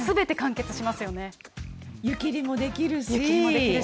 湯切りもできるし。